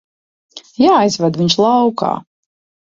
Jāizved viņš laukā.